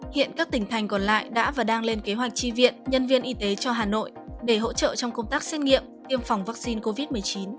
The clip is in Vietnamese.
hiện các tỉnh thành còn lại đã và đang lên kế hoạch chi viện nhân viên y tế cho hà nội để hỗ trợ trong công tác xét nghiệm tiêm phòng vaccine covid một mươi chín